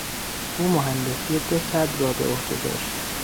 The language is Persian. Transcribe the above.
او مهندسی دو سد را بعهده داشت.